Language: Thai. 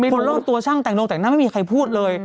คนรอบตัวช่างแต่งนงแต่งหน้าไม่มีใครพูดเลย